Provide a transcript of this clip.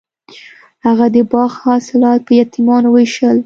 هغه د باغ حاصلات په یتیمانو ویشل.